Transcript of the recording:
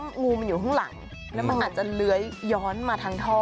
งูมันอยู่ข้างหลังแล้วมันอาจจะเลื้อยย้อนมาทางท่อ